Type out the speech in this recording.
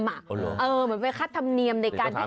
เหมือนค่าธรรมเนียมในการให้ออกแบบทอง